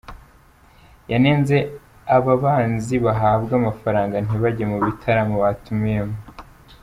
Yanenze ababanzi bahabwa amafaranga ntibajye mu bitaramo batumiwemo.